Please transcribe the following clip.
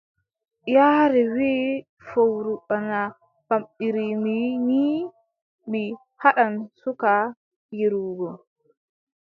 Yaare wii, fowru bana pamɗiri mi, nii, mi haɗan suka hiirugo.